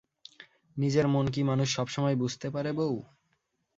নিজের মন কি মানুষ সবসময় বুঝতে পারে বৌ?